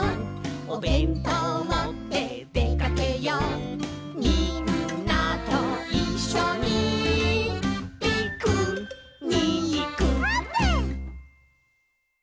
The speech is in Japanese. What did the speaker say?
「おべんとうもってでかけよう」「みんなといっしょにピクニック」あーぷん。